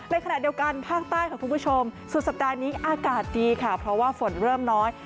ในขณะเดียวกันภาคใต้ค่ะคุณผู้ชมสุดสัปดาห์นี้อากาศดีค่ะเพราะว่าฝนเริ่มน้อย